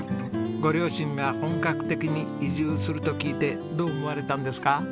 ご両親が本格的に移住すると聞いてどう思われたんですか？